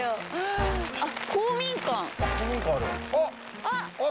あっ！